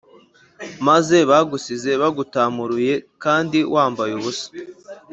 maze bagusige bagutamuruye kandi wambaye ubusa